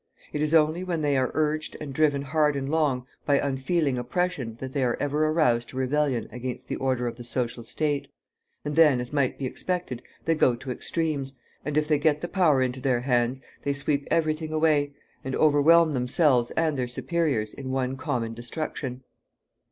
It is only when they are urged and driven hard and long by unfeeling oppression that they are ever aroused to rebellion against the order of the social state; and then, as might be expected, they go to extremes, and, if they get the power into their hands, they sweep every thing away, and overwhelm themselves and their superiors in one common destruction.